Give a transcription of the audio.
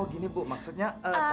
oh gini bu maksudnya tadi itu